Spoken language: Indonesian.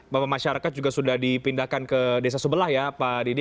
bahwa masyarakat juga sudah dipindahkan ke desa sebelah ya pak didi